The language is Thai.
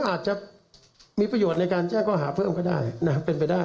อาจจะมีประโยชน์ในการแจ้งข้อหาเพิ่มก็ได้นะครับเป็นไปได้